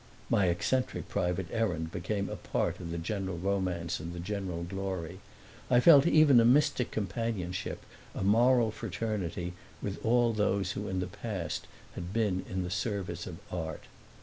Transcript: My eccentric private errand became a part of the general romance and the general glory I felt even a mystic companionship, a moral fraternity with all those who in the past had been in the service of art.